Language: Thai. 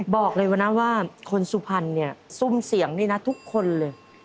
บอกเลยว่าคนสุพรรณซุ่มเสียงทุกคนเลย